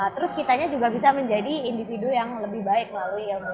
terus kitanya juga bisa menjadi individu yang lebih baik melalui ilmu